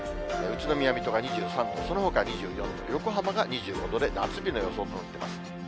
宇都宮、水戸が２３度、そのほかは２４度、横浜が２５度で夏日の予想となっています。